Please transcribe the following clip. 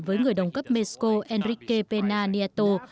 với người đồng cấp mexico enrique pena nieto